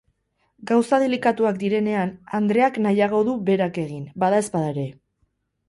Gauza delikatuak direnean, andreak nahiago du berak egin, badaezpada ere.